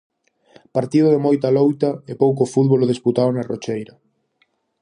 Partido de moita loita e pouco fútbol o disputado na Rocheira.